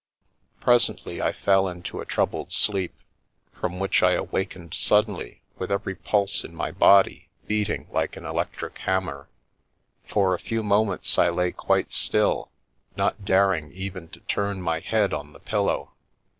Presently I fell into a troubled sleep, from which I awakened suddenly with every pulse in my body beating like an electric hammer. For a few moments I lay quite still, not daring even to turn my head on the pillow.